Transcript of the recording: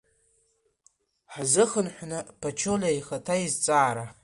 Ҳазыхынҳәып Ԥачулиа ихаҭа изҵаара.